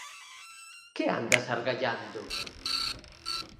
Que andas argallando?